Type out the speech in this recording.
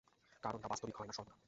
কারনটা বাস্তবিক হয়না সর্বদা।